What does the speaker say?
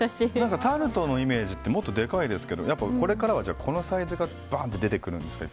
タルトのイメージってもっとでかいですけどこれからはこのサイズがいっぱい出てくるんですか？